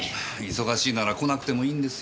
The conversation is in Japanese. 忙しいなら来なくてもいいんですよ。